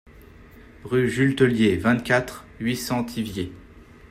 Rue Jules Theulier, vingt-quatre, huit cents Thiviers